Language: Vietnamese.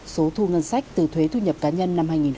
số thu ngân sách từ thuế thu nhập cá nhân